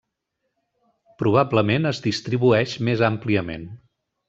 Probablement es distribueix més àmpliament.